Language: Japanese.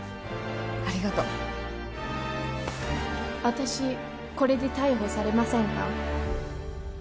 ありがとう私これで逮捕されませんか？